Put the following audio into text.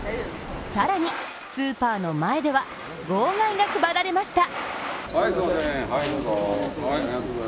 更に、スーパーの前では号外が配られました。